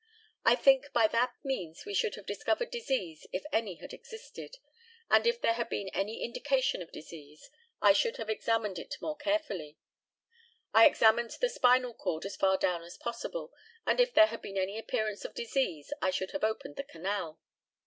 I think by that means we should have discovered disease if any had existed; and if there had been any indication of disease, I should have examined it more carefully. I examined the spinal cord as far down as possible, and if there had been any appearance of disease I should have opened the canal.